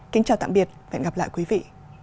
kính chào tạm biệt và hẹn gặp lại quý vị